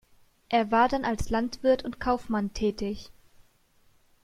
Er war dann als Landwirt und Kaufmann tätig.